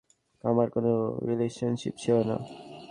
আমার কোন রিলেশনশীপ ছিল না।